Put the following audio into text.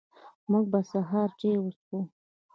موږ به د سهار چاي وڅښو